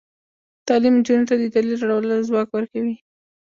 تعلیم نجونو ته د دلیل راوړلو ځواک ورکوي.